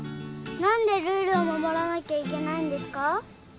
何でルールを守らなきゃいけないんですか？